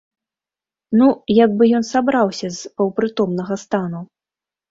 Ну, як бы ён сабраўся з паўпрытомнага стану.